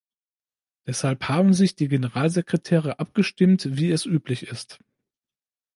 Deshalb haben sich die Generalsekretäre abgestimmt, wie es üblich ist.